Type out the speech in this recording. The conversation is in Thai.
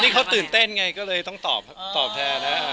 นี่เขาตื่นเต้นไงก็เลยต้องตอบแทนแล้ว